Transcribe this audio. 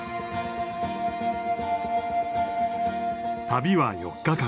旅は４日間。